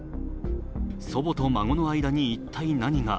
祖母と孫の間に一体何が。